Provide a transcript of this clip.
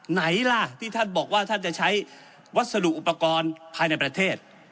ไหนล่ะที่ท่านบอกว่าท่านจะใช้วัสดุอุปกรณ์ภายในประเทศ